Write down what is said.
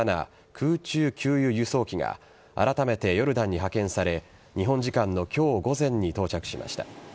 空中給油・輸送機があらためてヨルダンに派遣され日本時間の今日午前に到着しました。